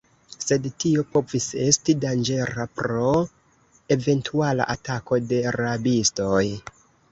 Sed tio povis esti danĝera pro eventuala atako de rabistoj.